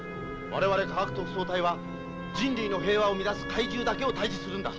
我々科学特捜隊は人類の平和を乱す怪獣だけを退治するんだ。